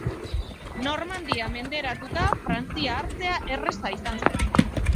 Normandia menderatuta, Frantzia hartzea erraza izan zen.